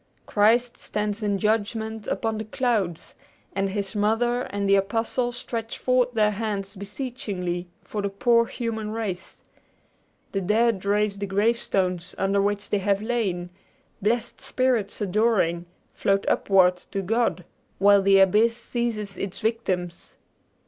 Christ stands in judgment upon the clouds, and his Mother and the Apostles stretch forth their hands beseechingly for the poor human race. The dead raise the gravestones under which they have lain; blessed spirits adoring, float upward to God, while the abyss seizes its victims.